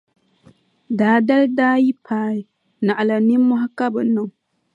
Daa dali yi daa paai naɣila nimmɔhi ka bɛ niŋ.